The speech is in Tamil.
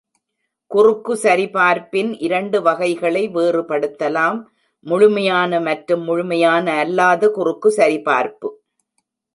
குறுக்கு சரிபார்ப்பின் இரண்டு வகைகளை வேறுபடுத்தலாம், முழுமையான மற்றும் முழுமையான அல்லாத குறுக்கு சரிபார்ப்பு.